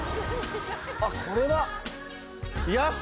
あっこれは。